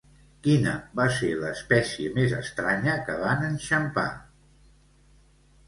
Quina va ser l'espècie més estranya que van enxampar?